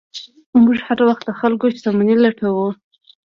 موږ هر وخت د خلکو شتمنۍ لوټو.